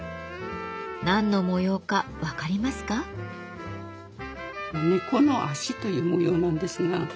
何の模様か分かりますか？という模様なんですが。